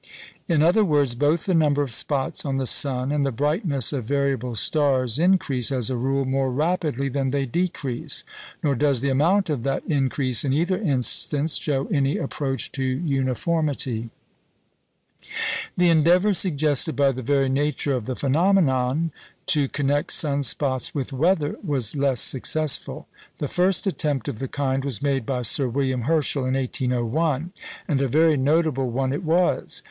In other words, both the number of spots on the sun and the brightness of variable stars increase, as a rule, more rapidly than they decrease; nor does the amount of that increase, in either instance, show any approach to uniformity. The endeavour, suggested by the very nature of the phenomenon, to connect sun spots with weather was less successful. The first attempt of the kind was made by Sir William Herschel in 1801, and a very notable one it was.